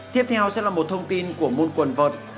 tiếp theo sẽ là một thông tin của môn quần vợt